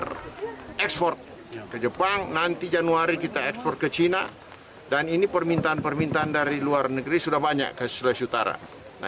kita ekspor ke jepang nanti januari kita ekspor ke china dan ini permintaan permintaan dari luar negeri sudah banyak ke sulawesi utara